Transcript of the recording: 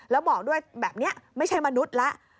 แล้วบอกด้วยแบบนี้ไม่ใช่มนุษย์แล้ว